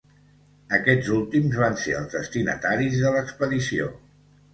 Aquests últims van ser els destinataris de l'expedició.